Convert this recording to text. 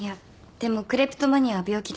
でもクレプトマニアは病気です。